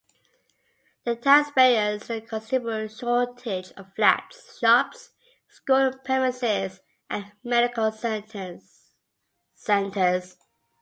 The town experienced a considerable shortage of flats, shops, school premises and medical centres.